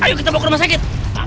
ayo kita bawa ke rumah sakit